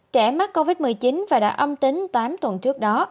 trẻ mắc covid một mươi chín và đã âm tính tám tuần trước đó